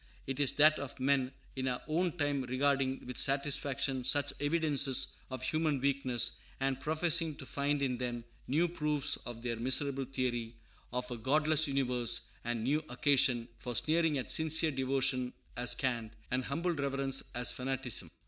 It is that of men in our own time regarding with satisfaction such evidences of human weakness, and professing to find in them new proofs of their miserable theory of a godless universe, and new occasion for sneering at sincere devotion as cant, and humble reverence as fanaticism.